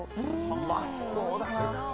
うまそうだな。